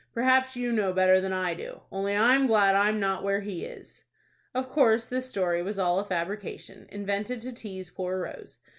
Perhaps you know better than I do. Only I'm glad I'm not where he is." Of course this story was all a fabrication, invented to tease poor Rose.